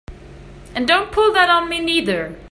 And don't pull that on me neither!